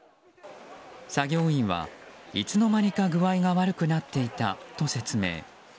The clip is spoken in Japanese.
作業員はいつの間にか具合が悪くなっていたと説明。